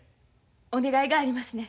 お願いがありますねん。